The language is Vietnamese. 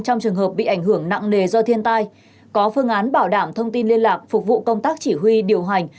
trong trường hợp bị ảnh hưởng nặng nề do thiên tai có phương án bảo đảm thông tin liên lạc phục vụ công tác chỉ huy điều hành